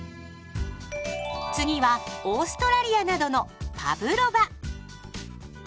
次はオーストラリアなどのパブロバ。